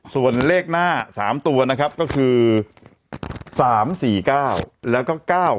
ส่วนเลขหน้า๓ตัวนะครับก็คือ๓๔๙แล้วก็๙๖